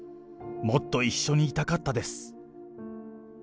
もっと一緒にいたかったです。